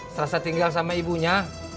serasa tinggal sama ibunya